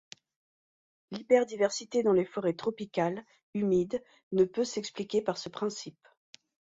L'hyperdiversité dans les forêts tropicales humides ne peut s'expliquer par ce principe.